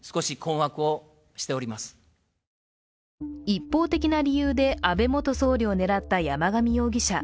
一方的な理由で安倍元総理を狙った山上容疑者。